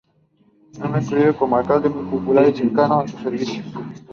Fue muy querido como Alcalde muy popular y cercano a sus vecinos.